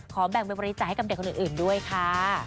แบ่งไปบริจาคให้กับเด็กคนอื่นด้วยค่ะ